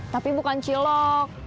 tapi bukan cilok